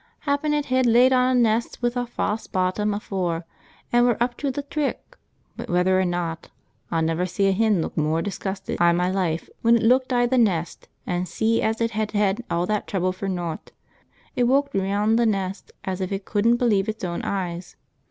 Happen it hed laid on a nest wi' a fause bottom afooar, an' were up to th' trick, but whether or not, aw never see a hen luk mooar disgusted i' mi life when it lukked i' th' nest an' see as it hed hed all that trouble fer nowt. "It woked reawnd th' nest as if it couldn't believe its own eyes.